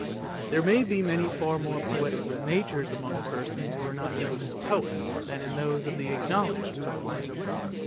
There may be many far more poetical natures among persons who are not known as poets, THE GOLOSHES OF FORTUNE 325 than in those of the acknowledged poets.